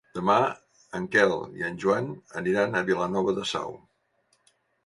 Demà en Quel i en Joan aniran a Vilanova de Sau.